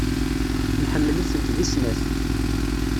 Nḥemmel-itent deg snat.